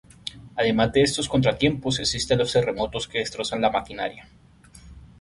Además de estos contratiempos existen los terremotos que destrozan la maquinaria.